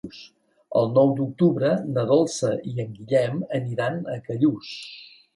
El nou d'octubre na Dolça i en Guillem aniran a Callús.